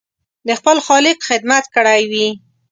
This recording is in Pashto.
د خپل خالق خدمت کړی وي.